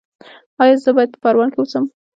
ایا زه باید په پروان کې اوسم؟